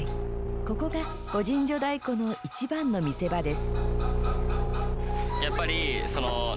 ここが御陣乗太鼓の一番の見せ場です。